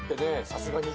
さすがに。